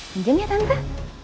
pinjam ya tante